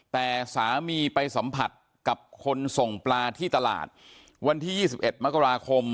แต่สามีไปสัมผัสกับคนส่งปลาที่ตลาดวันที่๒๑มกราคม